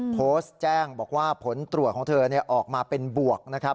โพสต์แจ้งบอกว่าผลตรวจของเธอออกมาเป็นบวกนะครับ